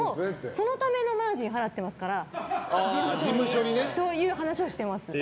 そのためのマージン払ってますから、事務所に。という話をしてます。